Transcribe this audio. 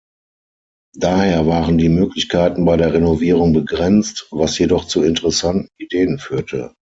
Daher waren die Möglichkeiten bei der Renovierung begrenzt, was jedoch zu interessanten Ideen führte.